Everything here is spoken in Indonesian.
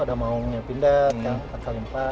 ya sudah maungnya pindad kan empat x empat